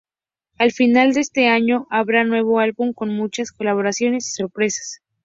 A final de este año habrá nuevo álbum con muchas colaboraciones y sorpresas.